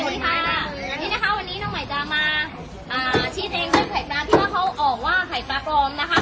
สวัสดีค่ะนี่นะคะวันนี้น้องใหม่จะมาอ่าชีสเองด้วยไข่กาที่ว่าเขาออกว่าไข่ปลากลอมนะคะ